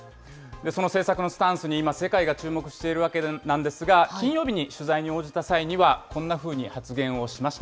その政策のスタンスに今、世界が注目しているわけなんですが、金曜日に取材に応じた際には、こんなふうに発言をしました。